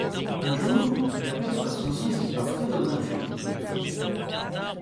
Un jour, il aperçoit son sosie parfait dans un film.